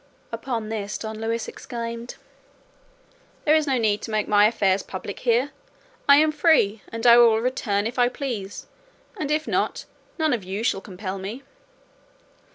Upon this Don Luis exclaimed, "There is no need to make my affairs public here; I am free, and I will return if I please; and if not, none of you shall compel me."